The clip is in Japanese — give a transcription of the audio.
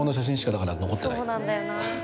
そうなんだよな。